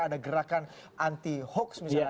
ada gerakan anti hoax misalnya